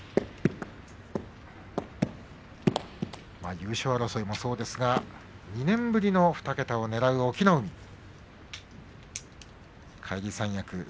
優勝争いもそうですが２年ぶりの２桁を狙う隠岐の海です。